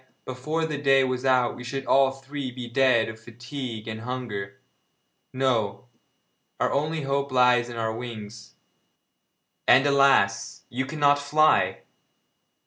Why, before the day was out we should all three be dead of fatigue and hunger! No, our only hope lies in our wings and, alas! you cannot fly!'